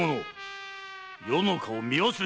余の顔を見忘れたか？